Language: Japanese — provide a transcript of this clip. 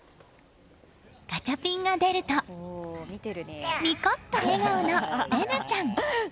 ガチャピンが出るとニコッと笑顔の伶奈ちゃん。